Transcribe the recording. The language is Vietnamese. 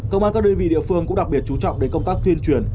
công an các đơn vị địa phương cũng đặc biệt chú trọng đến công tác tuyên truyền